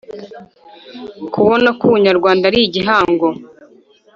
kubona ko Ubunyarwanda ari igihango